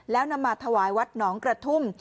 แล้วนำมาถวายวัดหนองกระทุ่ม